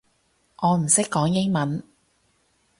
我唔識講英文